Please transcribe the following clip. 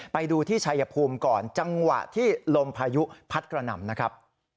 ไปดูที่ชัยภูมิก่อนจังหวะที่ลมพายุพัดกระหน่ำนะครับ